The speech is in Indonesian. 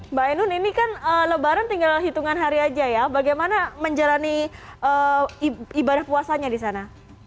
mbak ainun ini kan lebaran tinggal hitungan hari aja ya bagaimana menjalani ibadah puasanya di sana